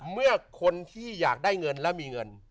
เมื่อคนที่อยากได้เงินแล้วมีเงิน